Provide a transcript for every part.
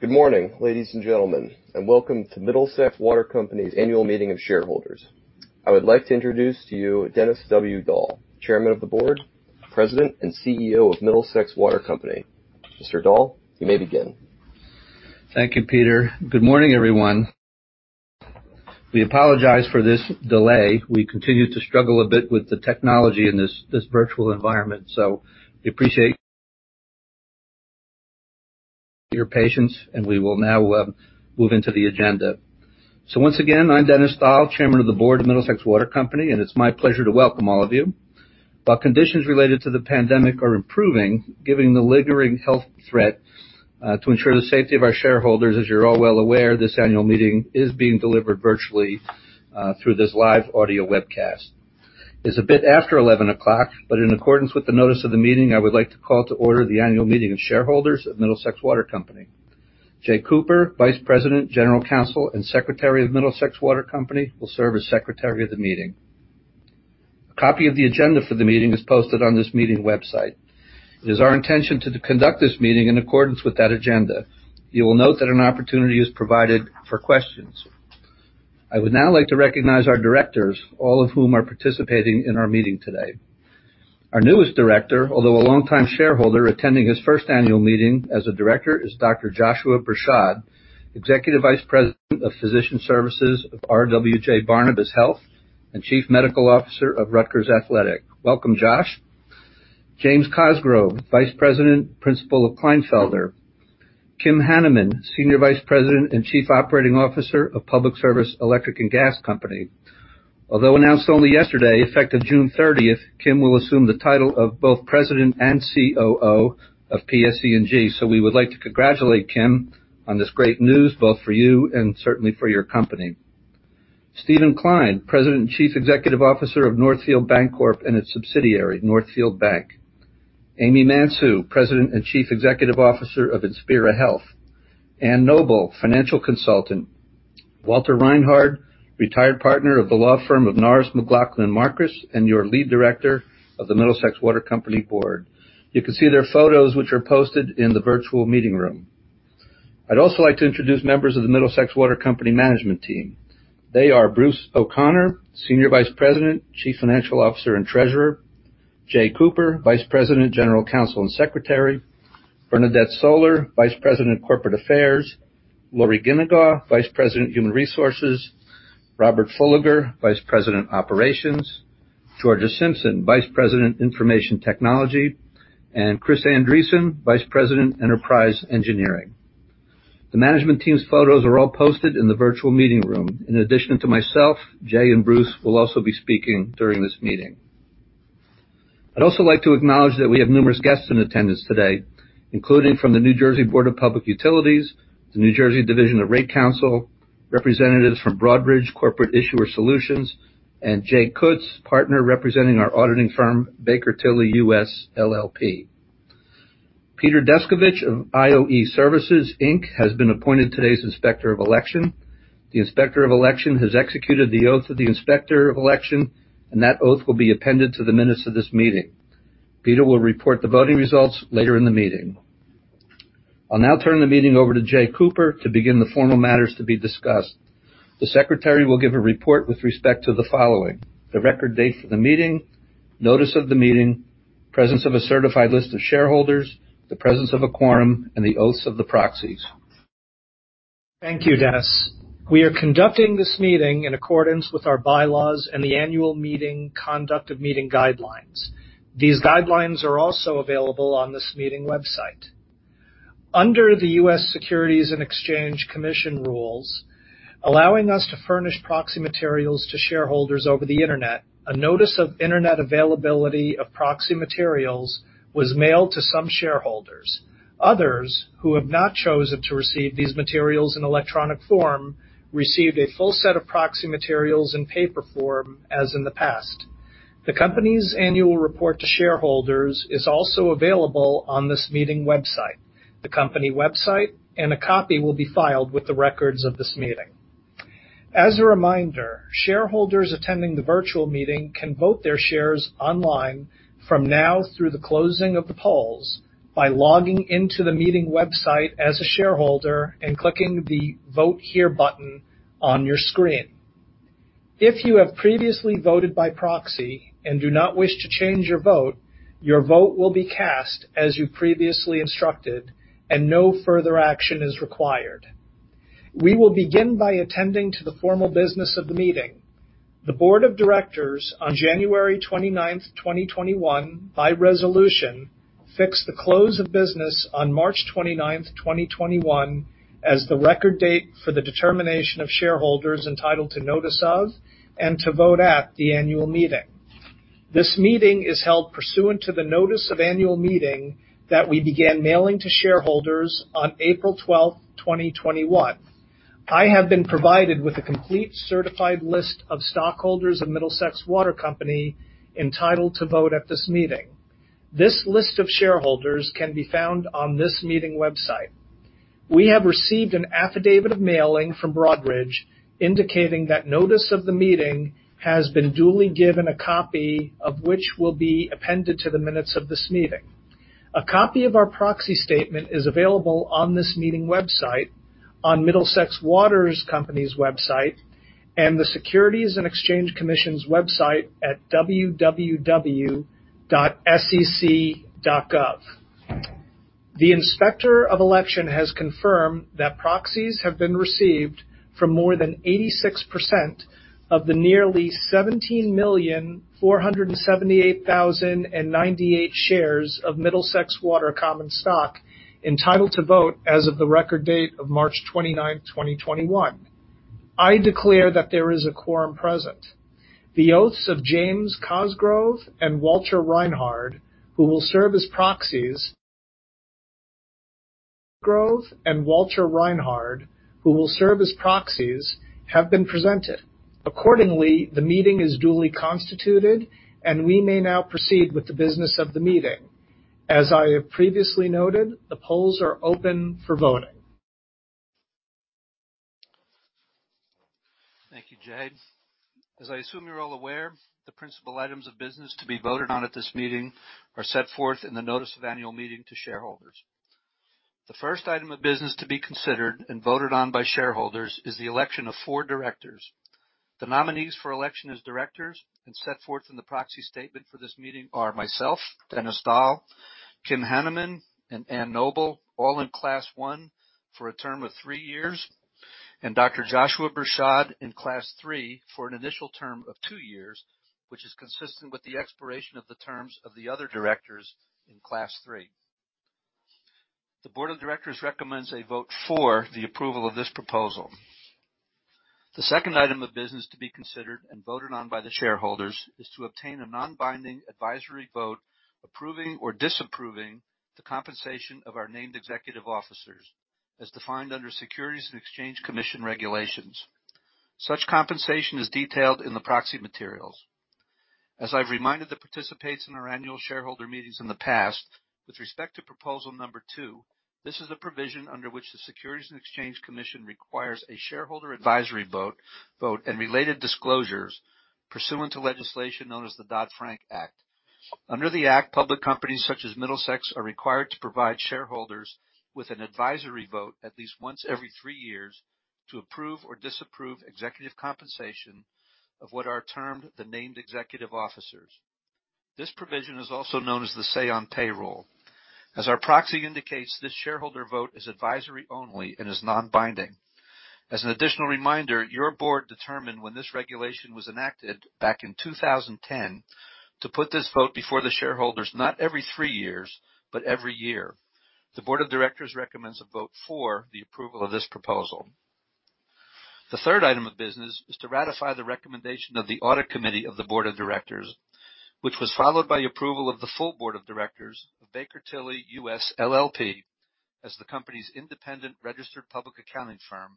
Good morning, ladies and gentlemen, welcome to Middlesex Water Company's annual meeting of shareholders. I would like to introduce to you Dennis W. Doll, Chairman of the Board, President, and CEO of Middlesex Water Company. Mr. Doll, you may begin. Thank you, Peter. Good morning, everyone. We apologize for this delay. We continue to struggle a bit with the technology in this virtual environment. We appreciate your patience, and we will now move into the agenda. Once again, I'm Dennis Doll, Chairman of the Board of Middlesex Water Company, and it's my pleasure to welcome all of you. While conditions related to the pandemic are improving, given the lingering health threat, to ensure the safety of our shareholders, as you're all well aware, this annual meeting is being delivered virtually, through this live audio webcast. It's a bit after 11 o'clock, but in accordance with the notice of the meeting, I would like to call to order the annual meeting of shareholders of Middlesex Water Company. Jay L. Kooper, Vice President, General Counsel, and Secretary of Middlesex Water Company, will serve as Secretary of the meeting. A copy of the agenda for the meeting is posted on this meeting website. It is our intention to conduct this meeting in accordance with that agenda. You will note that an opportunity is provided for questions. I would now like to recognize our directors, all of whom are participating in our meeting today. Our newest director, although a longtime shareholder attending his first annual meeting as a director, is Dr. Joshua Bershad, Executive Vice President of Physician Services of RWJBarnabas Health and Chief Medical Officer of Rutgers Athletics. Welcome, Josh. James Cosgrove, Vice President, Principal of Kleinfelder. Kim Hanemann, Senior Vice President and Chief Operating Officer of Public Service Electric and Gas Company. Although announced only yesterday, effective June 30th, Kim will assume the title of both President and COO of PSE&G. We would like to congratulate Kim on this great news, both for you and certainly for your company. Steven Klein, President and Chief Executive Officer of Northfield Bancorp and its subsidiary, Northfield Bank. Amy Mansue, President and Chief Executive Officer of Inspira Health. Anne Noble, Financial Consultant. Walter Reinhard, retired partner of the law firm of Norris McLaughlin & Marcus, and your Lead Director of the Middlesex Water Company Board. You can see their photos, which are posted in the virtual meeting room. I'd also like to introduce members of the Middlesex Water Company management team. They are Bruce O'Connor, Senior Vice President, Chief Financial Officer, and Treasurer. Jay Kooper, Vice President, General Counsel, and Secretary. Bernadette M. Sohler, Vice President of Corporate Affairs. Lorrie Ginegaw, Vice President, Human Resources. Robert K. Fullagar, Vice President, Operations. Georgia Simpson, Vice President, Information Technology, and Christian M. Andreasen, Vice President, Enterprise Engineering. The management team's photos are all posted in the virtual meeting room. In addition to myself, Jay and Bruce will also be speaking during this meeting. I'd also like to acknowledge that we have numerous guests in attendance today, including from the New Jersey Board of Public Utilities, the New Jersey Division of Rate Counsel, representatives from Broadridge Corporate Issuer Solutions, and Jay Kutz, partner representing our auditing firm, Baker Tilly US, LLP. Peter Descovich of IOE Services, Inc. has been appointed today's Inspector of Election. The Inspector of Election has executed the oath of the Inspector of Election, and that oath will be appended to the minutes of this meeting. Peter will report the voting results later in the meeting. I'll now turn the meeting over to Jay Kooper to begin the formal matters to be discussed. The secretary will give a report with respect to the following. The record date for the meeting, notice of the meeting, presence of a certified list of shareholders, the presence of a quorum, and the oaths of the proxies. Thank you, Dennis. We are conducting this meeting in accordance with our bylaws and the annual meeting conduct of meeting guidelines. These guidelines are also available on this meeting website. Under the U.S. Securities and Exchange Commission rules allowing us to furnish proxy materials to shareholders over the internet, a notice of internet availability of proxy materials was mailed to some shareholders. Others who have not chosen to receive these materials in electronic form received a full set of proxy materials in paper form, as in the past. The company's annual report to shareholders is also available on this meeting website, the company website, and a copy will be filed with the records of this meeting. As a reminder, shareholders attending the virtual meeting can vote their shares online from now through the closing of the polls by logging into the meeting website as a shareholder and clicking the Vote Here button on your screen. If you have previously voted by proxy and do not wish to change your vote, your vote will be cast as you previously instructed, and no further action is required. We will begin by attending to the formal business of the meeting. The board of directors on January 29th, 2021, by resolution, fixed the close of business on March 29th, 2021, as the record date for the determination of shareholders entitled to notice of and to vote at the annual meeting. This meeting is held pursuant to the notice of annual meeting that we began mailing to shareholders on April 12th, 2021. I have been provided with a complete certified list of stockholders of Middlesex Water Company entitled to vote at this meeting. This list of shareholders can be found on this meeting website. We have received an affidavit of mailing from Broadridge indicating that notice of the meeting has been duly given, a copy of which will be appended to the minutes of this meeting. A copy of our proxy statement is available on this meeting website, on Middlesex Water Company's website, and the Securities and Exchange Commission's website at www.sec.gov. The Inspector of Election has confirmed that proxies have been received from more than 86% of the nearly 17,478,098 shares of Middlesex Water common stock entitled to vote as of the record date of March 29th, 2021. I declare that there is a quorum present. The oaths of James Cosgrove and Walter Reinhard, who will serve as proxies, have been presented. Accordingly, the meeting is duly constituted, and we may now proceed with the business of the meeting. As I have previously noted, the polls are open for voting. Thank you, Jay. As I assume you're all aware, the principal items of business to be voted on at this meeting are set forth in the notice of annual meeting to shareholders. The first item of business to be considered and voted on by shareholders is the election of four directors. The nominees for election as directors and set forth in the proxy statement for this meeting are myself, Dennis Doll, Kim C. Hanemann, and Anne L. Noble, all in Class I for a term of three years, and Dr. Joshua Bershad in Class III for an initial term of two years, which is consistent with the expiration of the terms of the other directors in Class III. The board of directors recommends a vote for the approval of this proposal. The second item of business to be considered and voted on by the shareholders is to obtain a non-binding advisory vote approving or disapproving the compensation of our named executive officers as defined under Securities and Exchange Commission regulations. Such compensation is detailed in the proxy materials. As I've reminded the participants in our annual shareholder meetings in the past, with respect to proposal number two, this is a provision under which the Securities and Exchange Commission requires a shareholder advisory vote and related disclosures pursuant to legislation known as the Dodd-Frank Act. Under the act, public companies such as Middlesex are required to provide shareholders with an advisory vote at least once every three years to approve or disapprove executive compensation of what are termed the named executive officers. This provision is also known as the say-on-pay rule. As our proxy indicates, this shareholder vote is advisory only and is non-binding. As an additional reminder, your board determined when this regulation was enacted back in 2010 to put this vote before the shareholders not every three years, but every year. The board of directors recommends a vote for the approval of this proposal. The third item of business is to ratify the recommendation of the Audit Committee of the Board of Directors, which was followed by approval of the full board of directors of Baker Tilly US, LLP as the company's independent registered public accounting firm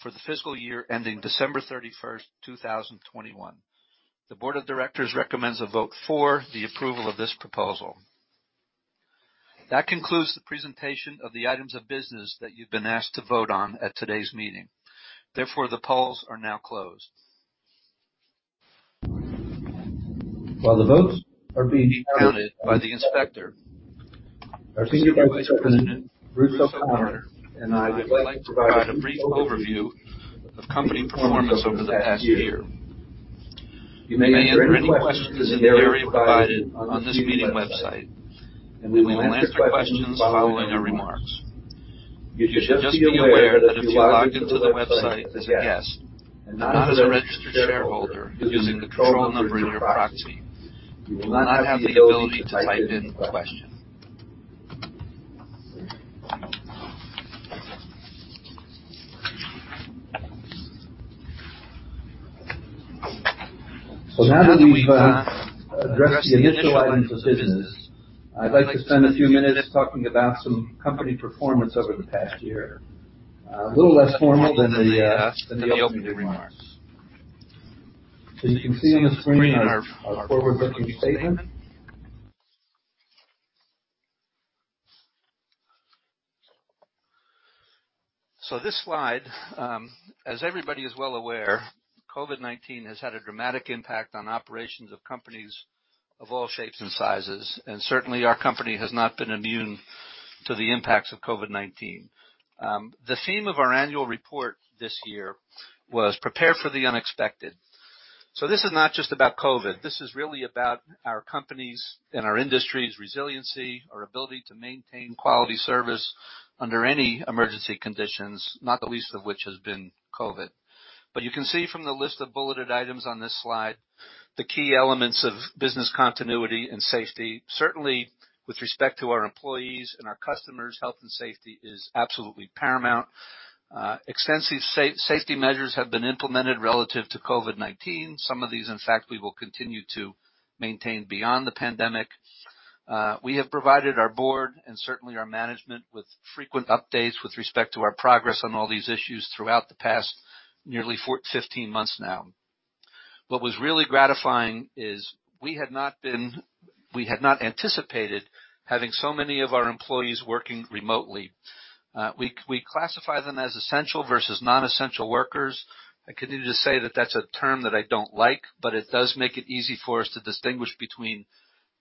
for the fiscal year ending December 31, 2021. The board of directors recommends a vote for the approval of this proposal. That concludes the presentation of the items of business that you've been asked to vote on at today's meeting. The polls are now closed. While the votes are being counted by the inspector, our Senior Vice President, Bruce O'Connor, and I would like to provide a brief overview of company performance over the past year. You may enter any questions that may be provided on this meeting website, and we will answer questions following our remarks. You should just be aware that if you log into the website as a guest and not as a registered shareholder using the control number in your proxy, you will not have the ability to type in a question. Now that we've addressed the initial items of business, I'd like to spend a few minutes talking about some company performance over the past year. A little less formal than the opening remarks. As you can see on the screen, our forward-looking statement. This slide, as everybody is well aware, COVID-19 has had a dramatic impact on operations of companies of all shapes and sizes, and certainly our company has not been immune to the impacts of COVID-19. The theme of our annual report this year was Prepare for the Unexpected. This is not just about COVID. This is really about our company's and our industry's resiliency, our ability to maintain quality service under any emergency conditions, not the least of which has been COVID. You can see from the list of bulleted items on this slide, the key elements of business continuity and safety. Certainly, with respect to our employees and our customers, health and safety is absolutely paramount. Extensive safety measures have been implemented relative to COVID-19. Some of these, in fact, we will continue to maintain beyond the pandemic. We have provided our board and certainly our management with frequent updates with respect to our progress on all these issues throughout the past nearly 15 months now. What was really gratifying is we had not anticipated having so many of our employees working remotely. We classify them as essential versus non-essential workers. I continue to say that that's a term that I don't like, but it does make it easy for us to distinguish between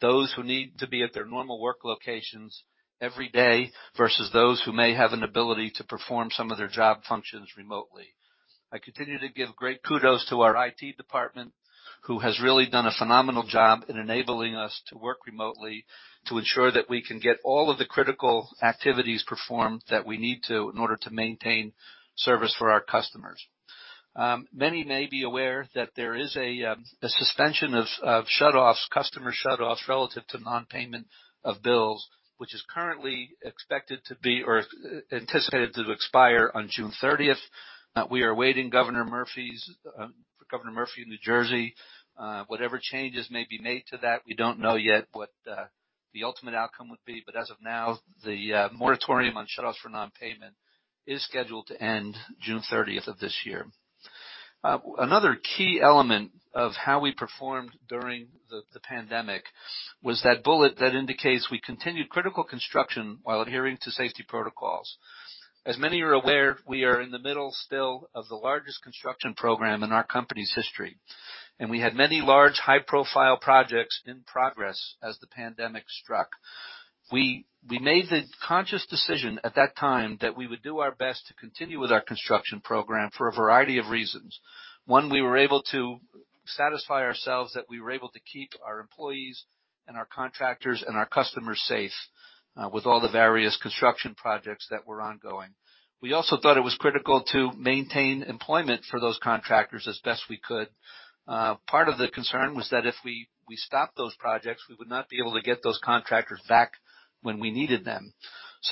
those who need to be at their normal work locations every day versus those who may have an ability to perform some of their job functions remotely. I continue to give great kudos to our IT department, who has really done a phenomenal job in enabling us to work remotely to ensure that we can get all of the critical activities performed that we need to in order to maintain service for our customers. Many may be aware that there is a suspension of shutoffs, customer shutoffs relative to non-payment of bills, which is currently expected to be or anticipated to expire on June 30th. We are awaiting Governor Murphy of New Jersey. Whatever changes may be made to that, we don't know yet what the ultimate outcome would be, but as of now, the moratorium on shutoffs for non-payment is scheduled to end June 30th of this year. Another key element of how we performed during the pandemic was that bullet that indicates we continued critical construction while adhering to safety protocols. As many are aware, we are in the middle still of the largest construction program in our company's history, and we had many large, high-profile projects in progress as the pandemic struck. We made the conscious decision at that time that we would do our best to continue with our construction program for a variety of reasons. One, we were able to satisfy ourselves that we were able to keep our employees and our contractors and our customers safe with all the various construction projects that were ongoing. We also thought it was critical to maintain employment for those contractors as best we could. Part of the concern was that if we stopped those projects, we would not be able to get those contractors back when we needed them.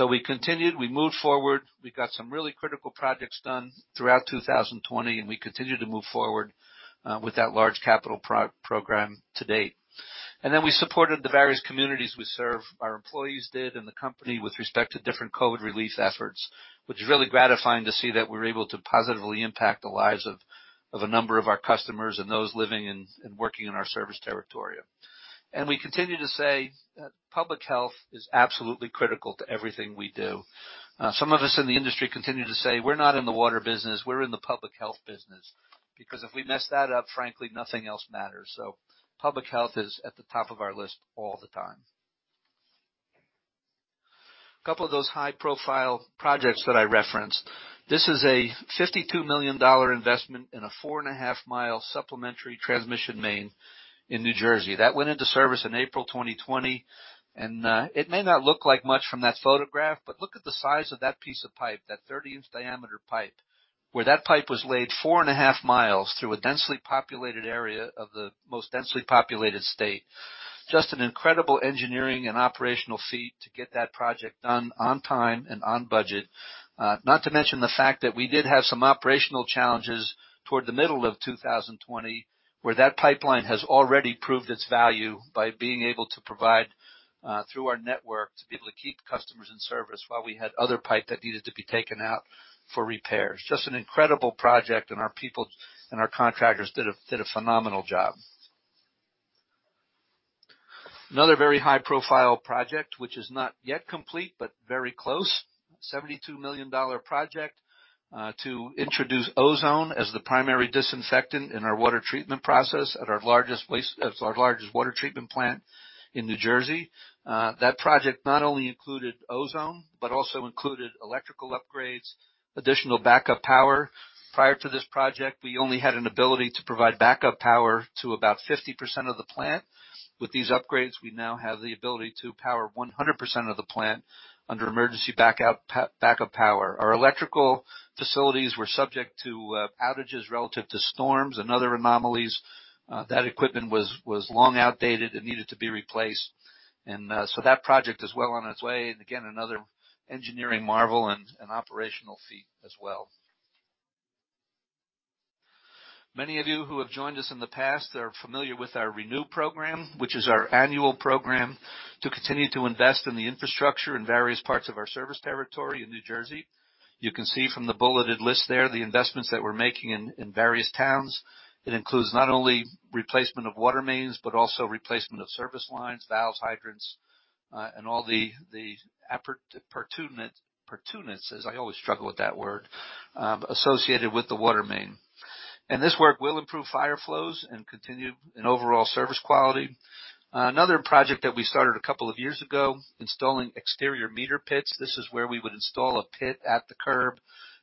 We continued, we moved forward, we got some really critical projects done throughout 2020, and we continue to move forward with that large capital program to date. Then we supported the various communities we serve, our employees did, and the company with respect to different COVID relief efforts, which is really gratifying to see that we're able to positively impact the lives of a number of our customers and those living and working in our service territory. We continue to say that public health is absolutely critical to everything we do. Some of us in the industry continue to say, "We're not in the water business, we're in the public health business." Because if we mess that up, frankly, nothing else matters. Public health is at the top of our list all the time. A couple of those high-profile projects that I referenced. This is a $52 million investment in a 4.5-mile supplementary transmission main in New Jersey. That went into service in April 2020. It may not look like much from that photograph, but look at the size of that piece of pipe, that 30-inch diameter pipe, where that pipe was laid four and a half miles through a densely populated area of the most densely populated state. Just an incredible engineering and operational feat to get that project done on time and on budget. Not to mention the fact that we did have some operational challenges toward the middle of 2020, where that pipeline has already proved its value by being able to provide through our network to be able to keep customers in service while we had other pipe that needed to be taken out for repairs. Just an incredible project. Our people and our contractors did a phenomenal job. Another very high-profile project, which is not yet complete, but very close, a $72 million project to introduce ozone as the primary disinfectant in our water treatment process at our largest water treatment plant in New Jersey. That project not only included ozone, but also included electrical upgrades, additional backup power. Prior to this project, we only had an ability to provide backup power to about 50% of the plant. With these upgrades, we now have the ability to power 100% of the plant under emergency backup power. Our electrical facilities were subject to outages relative to storms and other anomalies. That equipment was long outdated and needed to be replaced. That project is well on its way, and again, another engineering marvel and operational feat as well. Many of you who have joined us in the past are familiar with our RENEW program, which is our annual program to continue to invest in the infrastructure in various parts of our service territory in New Jersey. You can see from the bulleted list there the investments that we're making in various towns. It includes not only replacement of water mains, but also replacement of service lines, valves, hydrants, and all the appurtenances, I always struggle with that word, associated with the water main. This work will improve fire flows and continue overall service quality. Another project that we started a couple of years ago, installing exterior meter pits. This is where we would install a pit at the curb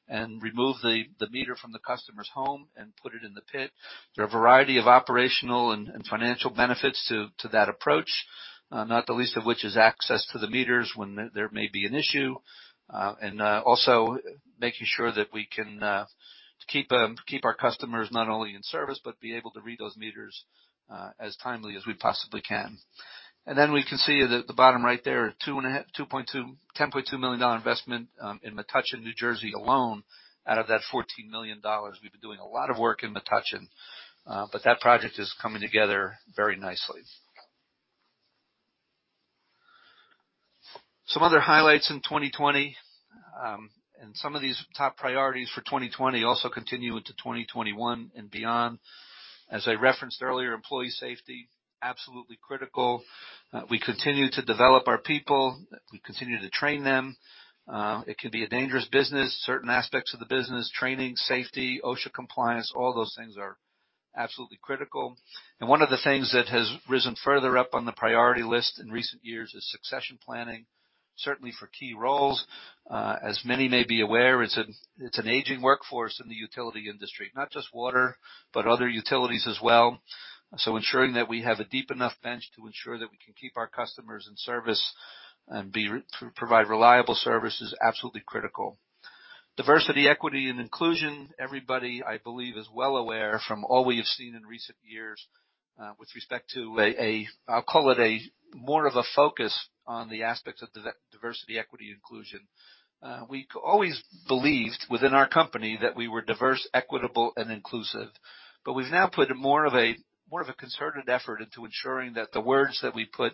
and remove the meter from the customer's home and put it in the pit. There are a variety of operational and financial benefits to that approach, not the least of which is access to the meters when there may be an issue, and also making sure that we can keep our customers not only in service, but be able to read those meters as timely as we possibly can. We can see at the bottom right there, $10.2 million investment in Metuchen, New Jersey alone. Out of that $14 million, we've been doing a lot of work in Metuchen, that project is coming together very nicely. Some other highlights in 2020. Some of these top priorities for 2020 also continue into 2021 and beyond. As I referenced earlier, employee safety, absolutely critical. We continue to develop our people. We continue to train them. It can be a dangerous business, certain aspects of the business, training, safety, OSHA compliance, all those things are absolutely critical. One of the things that has risen further up on the priority list in recent years is succession planning, certainly for key roles. As many may be aware, it's an aging workforce in the utility industry, not just water, but other utilities as well. Ensuring that we have a deep enough bench to ensure that we can keep our customers in service and provide reliable service is absolutely critical. Diversity, equity, and inclusion. Everybody, I believe, is well aware from all we have seen in recent years with respect to, I'll call it more of a focus on the aspects of diversity, equity, inclusion. We always believed within our company that we were diverse, equitable, and inclusive. We've now put more of a concerted effort into ensuring that the words that we put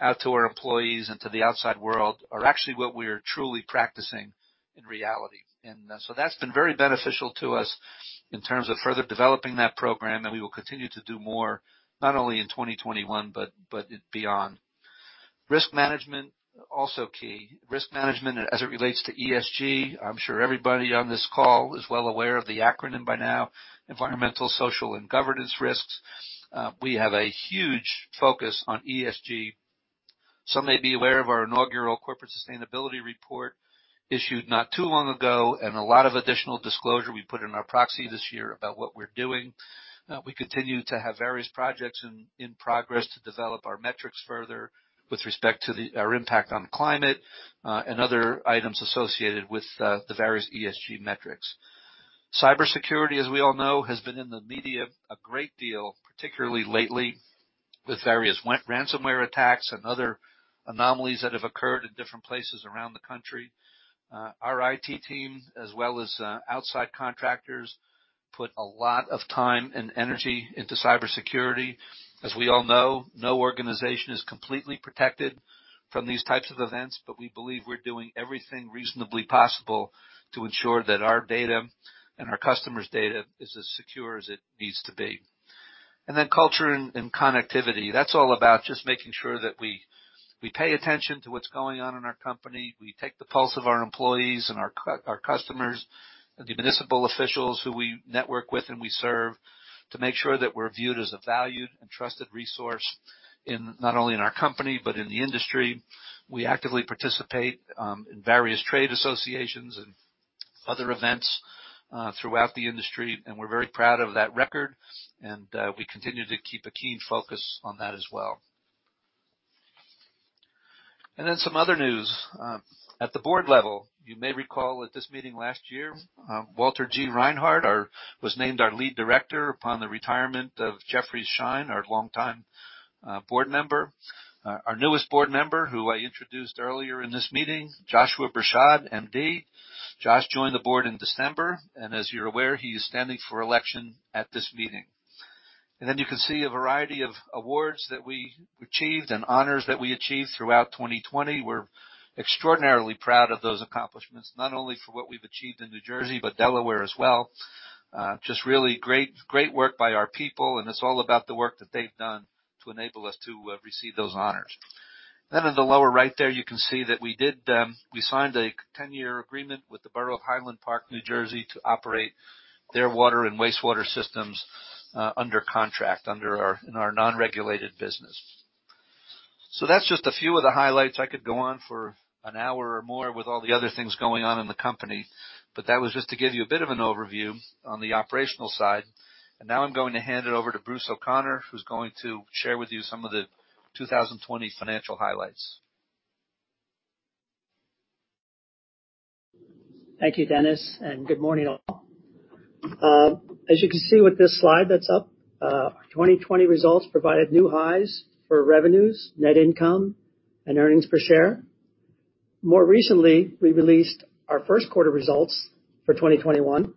out to our employees and to the outside world are actually what we are truly practicing in reality. That's been very beneficial to us in terms of further developing that program, and we will continue to do more, not only in 2021, but beyond. Risk management, also key. Risk management as it relates to ESG. I'm sure everybody on this call is well aware of the acronym by now, environmental, social, and governance risks. We have a huge focus on ESG. Some may be aware of our inaugural corporate sustainability report issued not too long ago, and a lot of additional disclosure we put in our proxy this year about what we're doing. We continue to have various projects in progress to develop our metrics further with respect to our impact on climate, and other items associated with the various ESG metrics. Cybersecurity, as we all know, has been in the media a great deal, particularly lately with various ransomware attacks and other anomalies that have occurred in different places around the country. Our IT team, as well as outside contractors, put a lot of time and energy into cybersecurity. As we all know, no organization is completely protected from these types of events, we believe we're doing everything reasonably possible to ensure that our data and our customers' data is as secure as it needs to be. Culture and connectivity. That's all about just making sure that we pay attention to what's going on in our company. We take the pulse of our employees and our customers, and the municipal officials who we network with and we serve to make sure that we're viewed as a valued and trusted resource not only in our company, but in the industry. We actively participate in various trade associations and other events throughout the industry, and we're very proud of that record, and we continue to keep a keen focus on that as well. Some other news. At the board level, you may recall at this meeting last year, Walter G. Reinhard was named our lead director upon the retirement of Jeffries Shein, our longtime board member. Our newest board member, who I introduced earlier in this meeting, Joshua Bershad, M.D. Josh joined the board in December, and as you're aware, he is standing for election at this meeting. Then you can see a variety of awards that we achieved and honors that we achieved throughout 2020. We're extraordinarily proud of those accomplishments, not only for what we've achieved in New Jersey, but Delaware as well. Just really great work by our people, and it's all about the work that they've done to enable us to receive those honors. Then in the lower right there, you can see that we signed a 10-year agreement with the Borough of Highland Park, New Jersey, to operate their water and wastewater systems under contract in our non-regulated business. That's just a few of the highlights. I could go on for an hour or more with all the other things going on in the company. That was just to give you a bit of an overview on the operational side. Now I'm going to hand it over to Bruce O'Connor, who's going to share with you some of the 2020 financial highlights. Thank you, Dennis. Good morning, all. As you can see with this slide that's up, our 2020 results provided new highs for revenues, net income, and earnings per share. More recently, we released our first quarter results for 2021.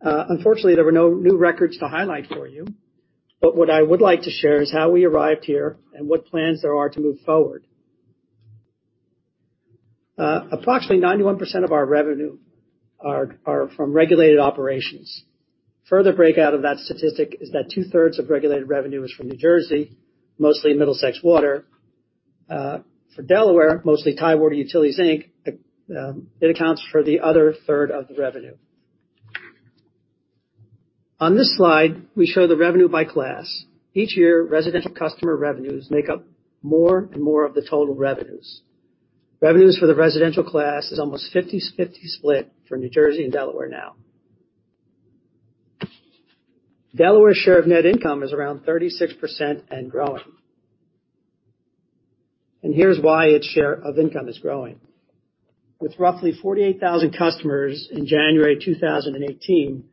Unfortunately, there were no new records to highlight for you. What I would like to share is how we arrived here and what plans there are to move forward. Approximately 91% of our revenue are from regulated operations. Further breakout of that statistic is that two-thirds of regulated revenue is from New Jersey, mostly Middlesex Water. For Delaware, mostly Tidewater Utilities, Inc., it accounts for the other third of the revenue. On this slide, we show the revenue by class. Each year, residential customer revenues make up more and more of the total revenues. Revenues for the residential class is almost 50/50 split for New Jersey and Delaware now. Delaware's share of net income is around 36% and growing. Here's why its share of income is growing. With roughly 48,000 customers in January 2018,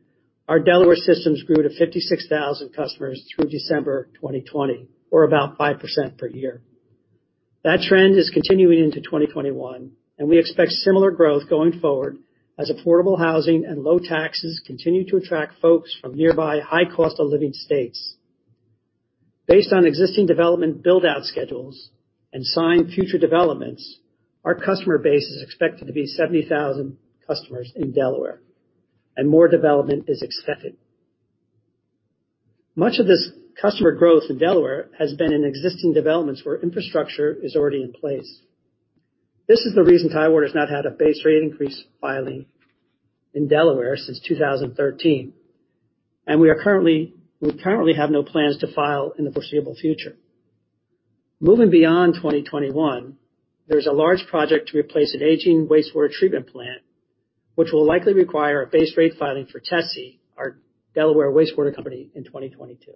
our Delaware systems grew to 56,000 customers through December 2020 or about 5% per year. That trend is continuing into 2021, and we expect similar growth going forward as affordable housing and low taxes continue to attract folks from nearby high cost of living states. Based on existing development build-out schedules and signed future developments, our customer base is expected to be 70,000 customers in Delaware, and more development is expected. Much of this customer growth in Delaware has been in existing developments where infrastructure is already in place. This is the reason Tidewater has not had a base rate increase filing in Delaware since 2013, and we currently have no plans to file in the foreseeable future. Moving beyond 2021, there's a large project to replace an aging wastewater treatment plant, which will likely require a base rate filing for TESI, our Delaware wastewater company, in 2022.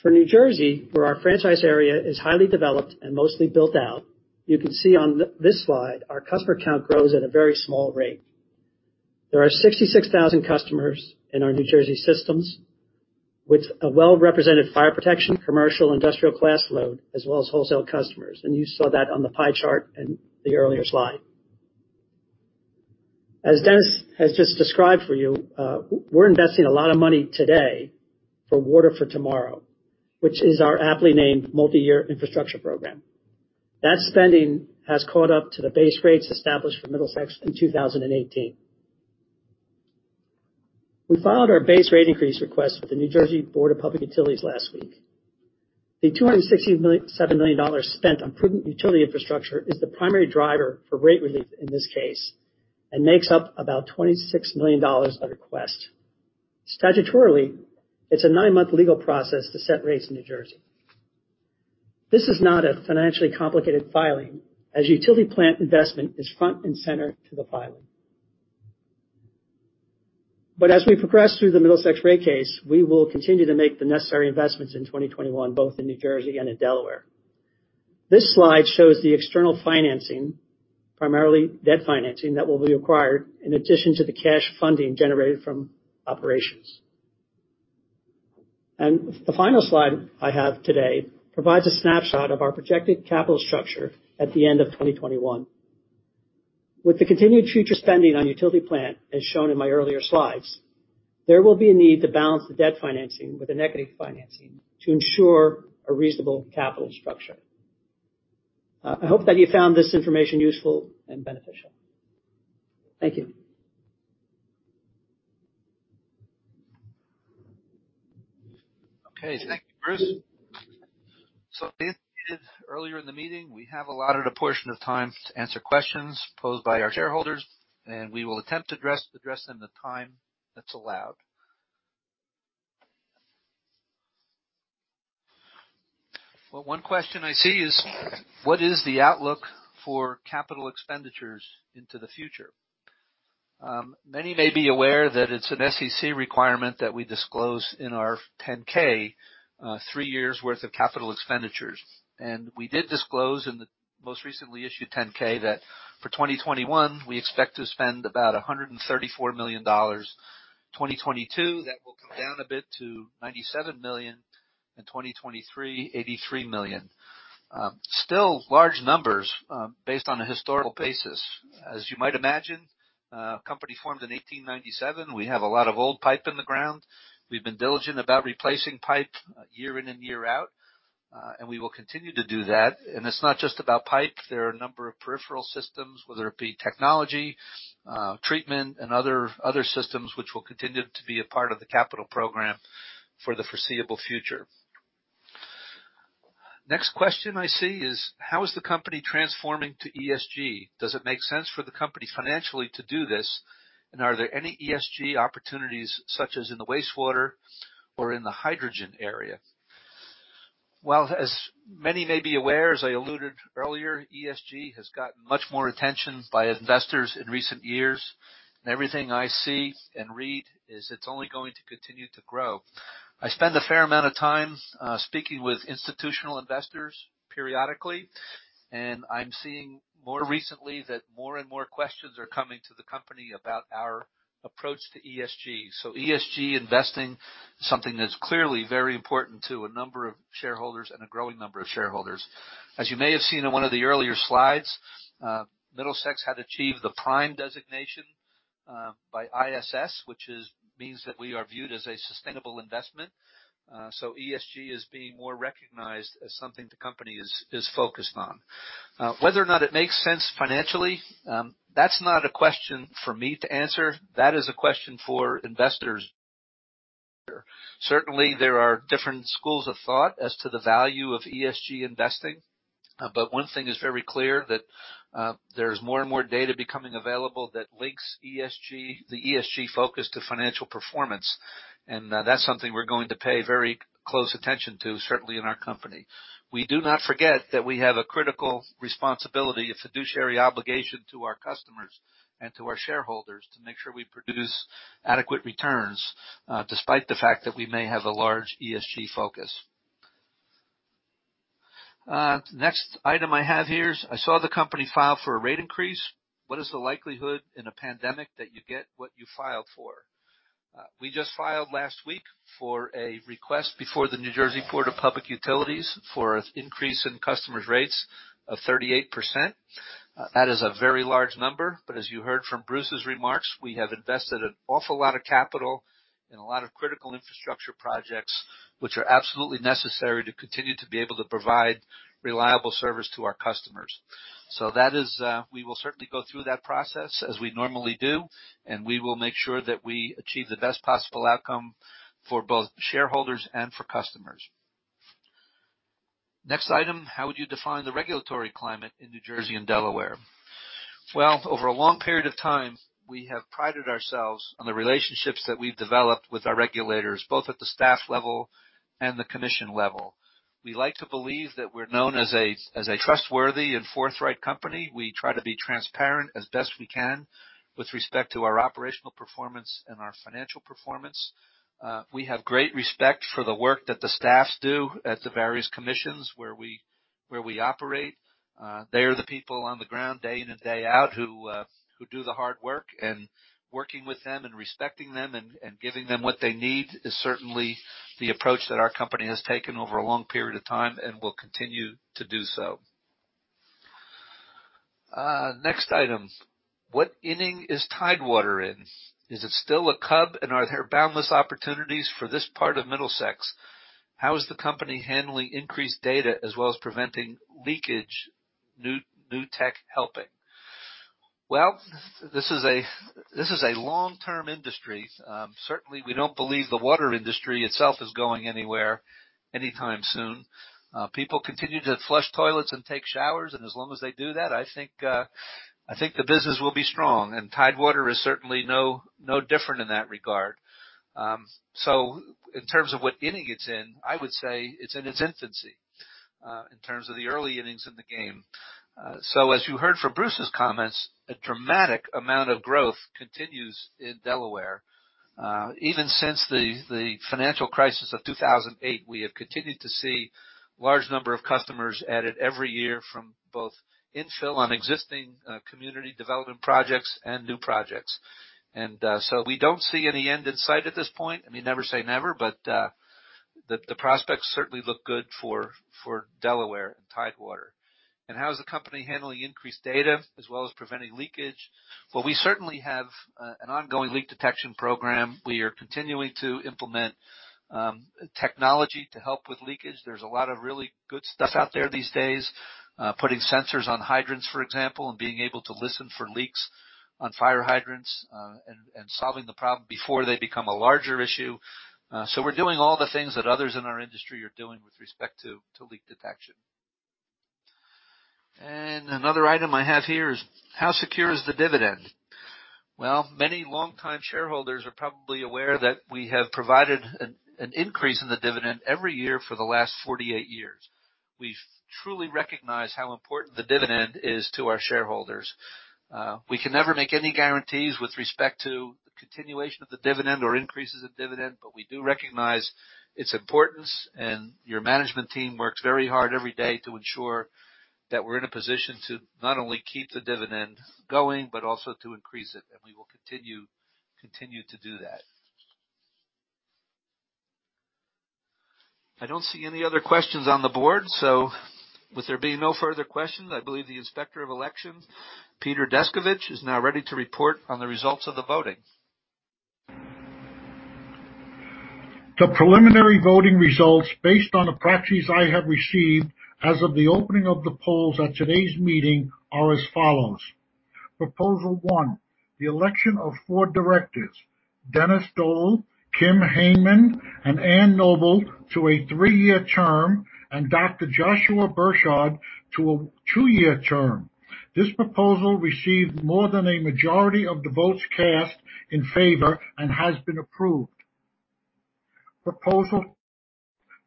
For New Jersey, where our franchise area is highly developed and mostly built out, you can see on this slide our customer count grows at a very small rate. There are 66,000 customers in our New Jersey systems with a well-represented fire protection, commercial, industrial class load, as well as wholesale customers. You saw that on the pie chart in the earlier slide. As Des has just described for you, we're investing a lot of money today for Water For Tomorrow, which is our aptly named multi-year infrastructure program. That spending has caught up to the base rates established for Middlesex in 2018. We filed our base rate increase request with the New Jersey Board of Public Utilities last week. The $267 million spent on utility infrastructure is the primary driver for rate relief in this case and makes up about $26 million of the request. Statutorily, it's a nine-month legal process to set rates in New Jersey. This is not a financially complicated filing, as utility plant investment is front and center to the filing. As we progress through the Middlesex rate case, we will continue to make the necessary investments in 2021, both in New Jersey and in Delaware. This slide shows the external financing, primarily debt financing, that will be required in addition to the cash funding generated from operations. The final slide I have today provides a snapshot of our projected capital structure at the end of 2021. With the continued future spending on utility plant, as shown in my earlier slides, there will be a need to balance the debt financing with an equity financing to ensure a reasonable capital structure. I hope that you found this information useful and beneficial. Thank you. Okay. Thank you, Bruce. As stated earlier in the meeting, we have allotted a portion of time to answer questions posed by our shareholders, and we will attempt to address them in the time that's allowed. Well, one question I see is, "What is the outlook for capital expenditures into the future?" Many may be aware that it's an SEC requirement that we disclose in our 10-K three years' worth of capital expenditures. We did disclose in the most recently issued 10-K that for 2021, we expect to spend about $134 million. 2022, that will come down a bit to $97 million, and 2023, $83 million. Still large numbers based on a historical basis. As you might imagine, a company formed in 1897, we have a lot of old pipe in the ground. We've been diligent about replacing pipe year in and year out, and we will continue to do that. It's not just about pipe. There are a number of peripheral systems, whether it be technology, treatment, and other systems which will continue to be a part of the capital program for the foreseeable future. Next question I see is, "How is the company transforming to ESG? Does it make sense for the company financially to do this? Are there any ESG opportunities, such as in the wastewater or in the hydrogen area? As many may be aware, as I alluded earlier, ESG has gotten much more attention by investors in recent years. Everything I see and read is it's only going to continue to grow. I spend a fair amount of time speaking with institutional investors periodically, and I'm seeing more recently that more and more questions are coming to the company about our approach to ESG. ESG investing is something that's clearly very important to a number of shareholders and a growing number of shareholders. As you may have seen in one of the earlier slides, Middlesex had achieved the Prime designation by ISS, which means that we are viewed as a sustainable investment. ESG is being more recognized as something the company is focused on. Whether or not it makes sense financially, that's not a question for me to answer. That is a question for investors. Certainly, there are different schools of thought as to the value of ESG investing. One thing is very clear, that there's more and more data becoming available that links the ESG focus to financial performance, and that's something we're going to pay very close attention to, certainly in our company. We do not forget that we have a critical responsibility, a fiduciary obligation to our customers and to our shareholders to make sure we produce adequate returns, despite the fact that we may have a large ESG focus. Next item I have here is, "I saw the company file for a rate increase. What is the likelihood in a pandemic that you get what you file for? We just filed last week for a request before the New Jersey Board of Public Utilities for an increase in customers' rates of 38%. That is a very large number, but as you heard from Bruce's remarks, we have invested an awful lot of capital in a lot of critical infrastructure projects, which are absolutely necessary to continue to be able to provide reliable service to our customers. We will certainly go through that process as we normally do, and we will make sure that we achieve the best possible outcome for both shareholders and for customers. Next item, how would you define the regulatory climate in New Jersey and Delaware? Well, over a long period of time, we have prided ourselves on the relationships that we've developed with our regulators, both at the staff level and the commission level. We like to believe that we're known as a trustworthy and forthright company. We try to be transparent as best we can with respect to our operational performance and our financial performance. We have great respect for the work that the staffs do at the various commissions where we operate. They are the people on the ground, day in and day out, who do the hard work, and working with them and respecting them and giving them what they need is certainly the approach that our company has taken over a long period of time, and will continue to do so. Next item. What inning is Tidewater in? Is it still a cub, and are there boundless opportunities for this part of Middlesex? How is the company handling increased data as well as preventing leakage? New tech helping? Well, this is a long-term industry. Certainly, we don't believe the water industry itself is going anywhere anytime soon. People continue to flush toilets and take showers, and as long as they do that, I think the business will be strong. Tidewater is certainly no different in that regard. In terms of what inning it's in, I would say it's in its infancy, in terms of the early innings in the game. As you heard from Bruce's comments, a dramatic amount of growth continues in Delaware. Even since the financial crisis of 2008, we have continued to see large number of customers added every year from both infill on existing community development projects and new projects. We don't see any end in sight at this point. I mean, never say never, but the prospects certainly look good for Delaware and Tidewater. How is the company handling increased data as well as preventing leakage? We certainly have an ongoing leak detection program. We are continuing to implement technology to help with leakage. There's a lot of really good stuff out there these days. Putting sensors on hydrants, for example, and being able to listen for leaks on fire hydrants, and solving the problem before they become a larger issue. We're doing all the things that others in our industry are doing with respect to leak detection. Another item I have here is, how secure is the dividend? Many longtime shareholders are probably aware that we have provided an increase in the dividend every year for the last 48 years. We've truly recognized how important the dividend is to our shareholders. We can never make any guarantees with respect to the continuation of the dividend or increases in dividend, but we do recognize its importance, and your management team works very hard every day to ensure that we're in a position to not only keep the dividend going, but also to increase it. We will continue to do that. I don't see any other questions on the board. With there being no further questions, I believe the Inspector of Elections, Peter W. Descovich, is now ready to report on the results of the voting. The preliminary voting results, based on the proxies I have received as of the opening of the polls at today's meeting, are as follows. Proposal one, the election of four directors, Dennis Doll, Kim Hanemann, and Anne Noble to a three-year term, and Dr. Joshua Bershad to a two-year term. This proposal received more than a majority of the votes cast in favor and has been approved. Proposal two,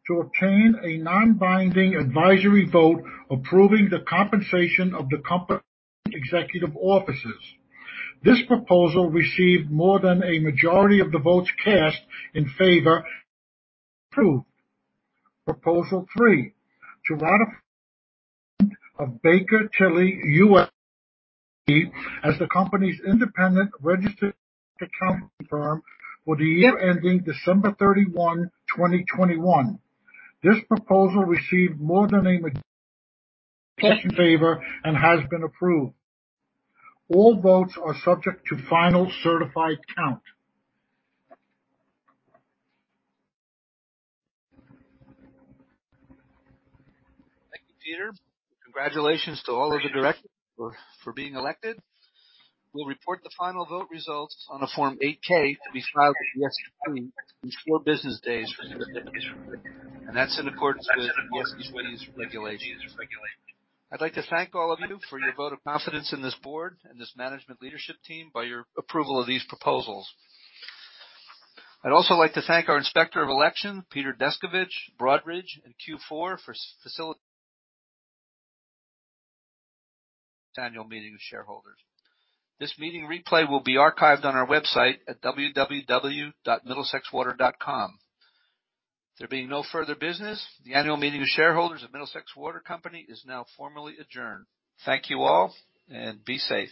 to obtain a non-binding advisory vote approving the compensation of the company executive officers. This proposal received more than a majority of the votes cast in favor and has been approved. Proposal three, to ratify Baker Tilly US as the company's independent registered accounting firm for the year ending December 31, 2021. This proposal received more than a majority in favor and has been approved. All votes are subject to final certified count. Thank you, Peter. Congratulations to all of the directors for being elected. We'll report the final vote results on a Form 8-K to be filed with the SEC within four business days for shareholders. That's in accordance with the SEC's regulations. I'd like to thank all of you for your vote of confidence in this board and this management leadership team by your approval of these proposals. I'd also like to thank our Inspector of Election, Peter Descovich, Broadridge, and Q4 for facilitating this annual meeting of shareholders. This meeting replay will be archived on our website at www.middlesexwater.com. There being no further business, the annual meeting of shareholders of Middlesex Water Company is now formally adjourned. Thank you all, and be safe.